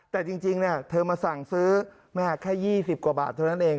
แต่จริงเธอมาสั่งซื้อแค่๒๐กว่าบาทเท่านั้นเอง